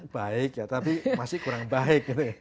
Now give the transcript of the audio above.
baik ya tapi masih kurang baik